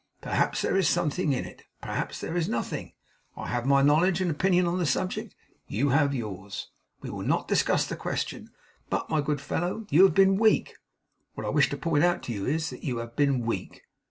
Perhaps there is something in it; perhaps there is nothing. I have my knowledge and opinion on the subject. You have yours. We will not discuss the question. But, my good fellow, you have been weak; what I wish to point out to you is, that you have been weak.